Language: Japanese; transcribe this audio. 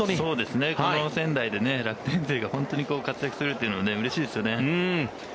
この仙台で楽天勢が活躍するというのはうれしいですよね。